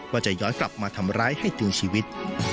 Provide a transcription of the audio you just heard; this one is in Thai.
ว่าจะย้อนกลับมาทำร้ายให้ถึงชีวิต